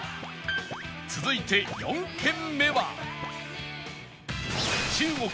続いて４軒目は